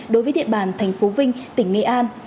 đối với địa bàn thành phố vinh tỉnh nghệ an